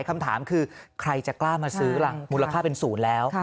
คำถามคือใครจะกล้ามาซื้อล่ะมูลค่าเป็นศูนย์แล้ว